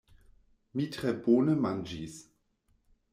Mi tre bone manĝis.